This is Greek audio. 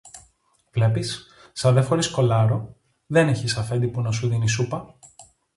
Βλέπεις, σα δε φορείς κολάρο, δεν έχεις αφέντη που να σου δίνει σούπα